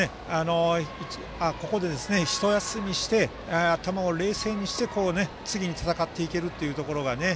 ここで一休みして頭を冷静にして、次に戦っていけるというところがね。